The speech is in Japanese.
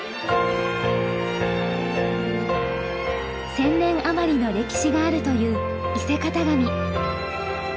千年余りの歴史があるという伊勢型紙。